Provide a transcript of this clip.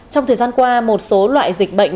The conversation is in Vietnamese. trong thời gian qua một số loại dịch bệnh